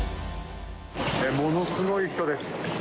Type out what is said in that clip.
ものすごい人です。